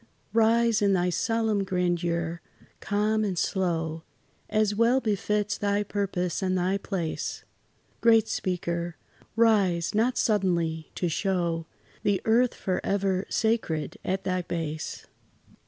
Rise in thy solemn grandeur, calm and slow, As well befits thy purpose and thy place: Great Speaker! rise, not suddenly, to show The earth forever sacred at thy base.